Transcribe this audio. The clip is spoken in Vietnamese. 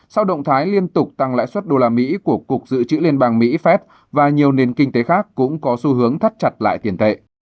sau động thái liên tục tăng lãi suất đô la mỹ của cục dự trữ liên bang mỹ phép và nhiều nền kinh tế khác cũng có xu hướng thắt chặt lại tiền tệ